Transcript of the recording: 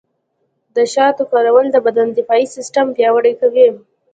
د شاتو کارول د بدن دفاعي سیستم پیاوړی کوي.